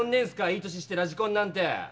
いい年してラジコンなんて！